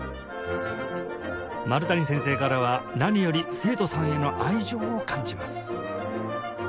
丸谷先生からは何より生徒さんへの愛情を感じます